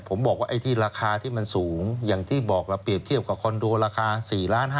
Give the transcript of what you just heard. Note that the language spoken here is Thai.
เพราะที่ราคาที่มันสูงอย่างที่บอกแล้วเปรียบเทียบกับคอนโดราคา๔๕ล้าน